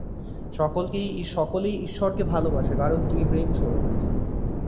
সকলেই ঈশ্বরকে ভালবাসে, কারণ তিনি প্রেমস্বরূপ।